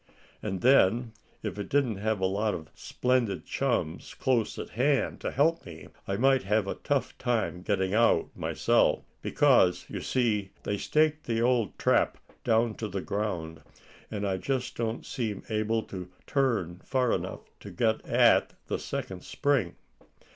And then, if I didn't have a lot of splendid chums close at hand to help me, I might have a tough time getting out myself; because, you see, they staked the old trap down to the ground, and I just don't seem able to turn far enough to get at the second spring."